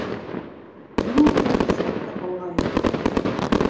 — Нимә һине хәсрәткә һалғайны?